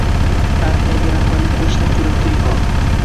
Armiyaga rahbarlik qilishdan ko‘ra qiyinroq.